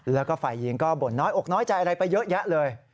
แล้วก็ฝ่ายหญิงก็บ่นน้อยอกน้อยใจอะไรไปเยอะแยะเลย